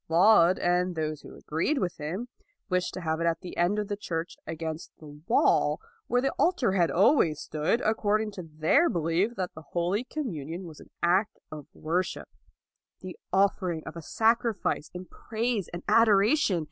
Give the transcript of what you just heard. Laud and those who agreed with him wished to have it at the end of the church against the wall, where the altar had always stood, accord ing to their belief that the Holy Com munion was an act of worship, the offer ing of a sacrifice of praise and adoration.